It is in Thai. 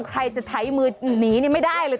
ใครจะไถมือหนีนี่ไม่ได้เลย